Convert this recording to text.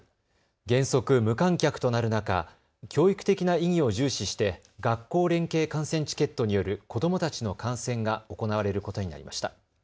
原則無観客となる中、教育的な意義を重視して学校連携観戦チケットによる子どもたちの観戦が行われることになりました。